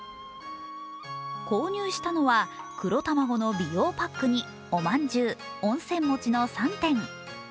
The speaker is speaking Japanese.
購入したのは黒たまごの美容パックにおまんじゅう、温泉餅の３点。